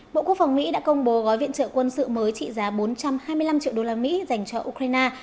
bộ quốc phòng mỹ đã công bố gói viện trợ quân sự mới trị giá bốn trăm hai mươi năm triệu đô la mỹ dành cho ukraine